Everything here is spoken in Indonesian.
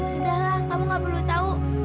sudahlah kamu gak perlu tahu